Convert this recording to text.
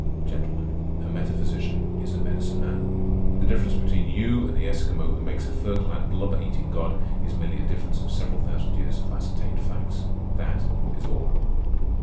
Gentlemen, a metaphysician is a medicine man. The difference between you and the Eskimo who makes a fur clad blubber eating god is merely a difference of several thousand years of ascertained facts. That is all."